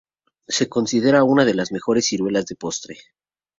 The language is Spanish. Se consideran una de las mejores ciruelas de postre.